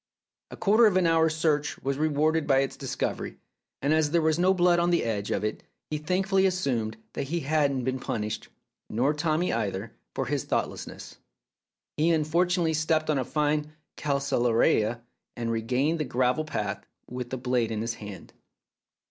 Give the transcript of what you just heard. A quarter of an hour's search was rewarded by its discovery, and as there was no blood on the edge of it he thankfully assumed that he had not been punished (nor Tommy either) for his thoughtlessness. He unfortunately stepped on a fine calceolaria, and regained the gravel path with the blade in his hand.